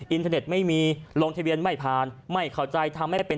เทอร์เน็ตไม่มีลงทะเบียนไม่ผ่านไม่เข้าใจทำไม่ได้เป็น